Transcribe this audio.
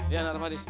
iya nak ramadi